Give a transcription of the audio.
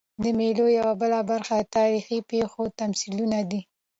د مېلو یوه بله برخه د تاریخي پېښو تمثیلونه دي.